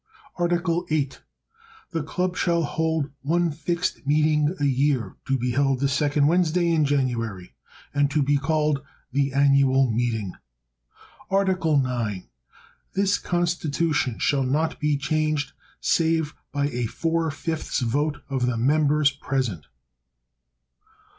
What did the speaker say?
Article VIII. The Club shall hold one fixed meeting a year, to be held the second Wednesday in January, and to be called the annual meeting. Article IX. This Constitution shall not be changed, save by a four fifths vote of the members present.